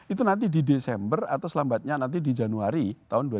itu nanti di desember atau selambatnya nanti di januari tahun dua ribu dua puluh